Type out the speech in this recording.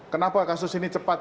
kenapa kasus ini cepat